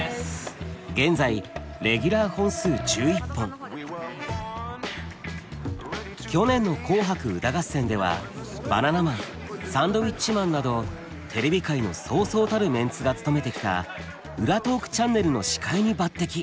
現在去年の「紅白歌合戦」ではバナナマンサンドウィッチマンなどテレビ界のそうそうたるメンツが務めてきた「ウラトークチャンネル」の司会に抜てき。